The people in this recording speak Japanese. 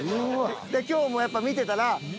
今日もやっぱ見てたら。